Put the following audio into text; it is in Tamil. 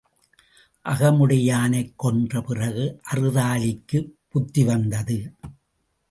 அகமுடையானைக் கொன்ற பிறகு அறுதாலிக்குப் புத்திவந்தது.